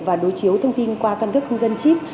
và đối chiếu thông tin qua căn cước công dân chip